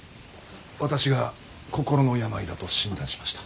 私が心の病だと診断しました。